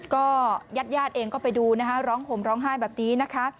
ก็ยัดเองก็ไปดูนะฮะร้องห่มร้องไห้แบบนี้นะคะ